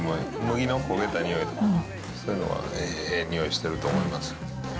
麦の焦げた匂いが、そういうのが、ええ匂いしてると思います。